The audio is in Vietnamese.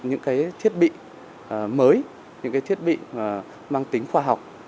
những cái thiết bị mới những cái thiết bị mang tính khoa học